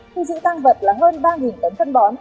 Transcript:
thu giữ tăng vật là hơn ba tấn phân bón